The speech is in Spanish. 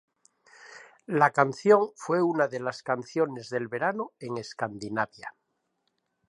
La canción fue una de las canciones del verano en Escandinavia.